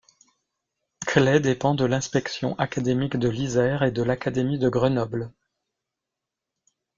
Claix dépend de l'inspection académique de l'Isère et de l'académie de Grenoble.